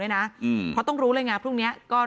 และการแสดงสมบัติของแคนดิเดตนายกนะครับ